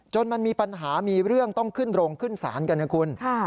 มันมีปัญหามีเรื่องต้องขึ้นโรงขึ้นศาลกันนะคุณ